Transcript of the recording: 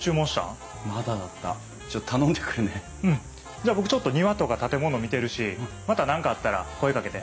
じゃあ僕ちょっと庭とか建物見てるしまた何かあったら声かけて。